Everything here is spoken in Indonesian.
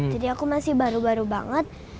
jadi aku masih baru baru banget